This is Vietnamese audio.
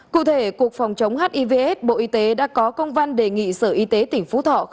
cụ thể cục phòng chống hivs bộ y tế đã có công văn đề nghị sở y tế tỉnh phú thọ